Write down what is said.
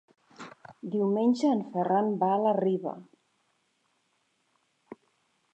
Diumenge en Ferran va a la Riba.